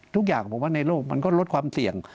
ทุกอย่างในโลกมันก็รถความเสี่ยง